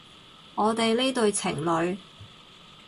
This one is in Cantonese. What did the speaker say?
我哋呢對情侣